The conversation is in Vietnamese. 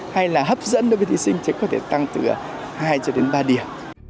hay là hấp dẫn đối với thí sinh sẽ có thể tăng từ hai cho đến ba điểm